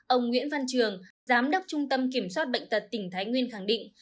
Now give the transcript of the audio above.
ông nguyễn văn trường giám đốc trung tâm kiểm soát bệnh tật tỉnh thái nguyên khẳng định